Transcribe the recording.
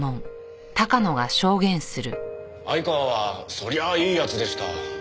相川はそりゃあいい奴でした。